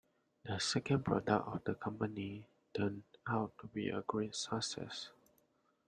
The second product of the company turned out to be a great success.